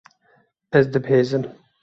Ez dibezim.